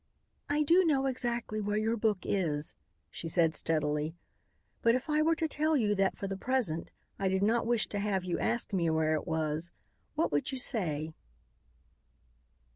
"I do know exactly where your book is," she said steadily. "But if I were to tell you that for the present I did not wish to have you ask me where it was, what would you say?"